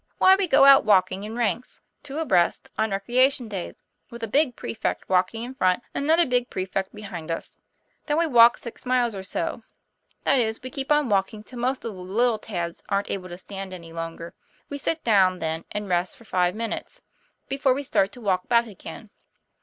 ' Why, we go out walking in ranks two abreast on recreation days, with a big prefect walking in front and another big prefect behind us. Then we walk six miles or so; that is, we keep on walking till most of the little tads aren't able to stand any longer. We sit down, then, and rest for five min' 3 8 TOM PLA YFAIR. utes, before we start to walk back again.